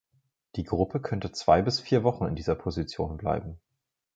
Die Gruppe könnte zwei bis vier Wochen in dieser Position bleiben.